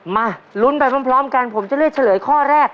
มาลุ้นไปพร้อมกันผมจะเลือกเฉลยข้อแรก